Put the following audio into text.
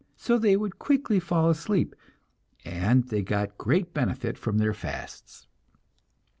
So they would quickly fall asleep, and they got great benefit from their fasts.